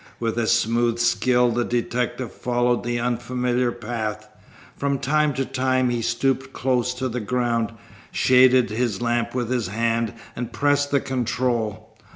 With a smooth skill the detective followed the unfamiliar path. From time to time he stooped close to the ground, shaded his lamp with his hand, and pressed the control.